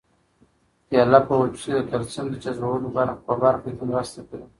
کیله په وجود کې د کلسیم د جذبولو په برخه کې مرسته کوي.